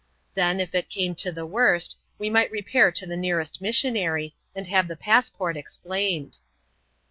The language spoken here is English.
Then, if it came to the worst, we might repair to the nearest missionary, and have the passport explained.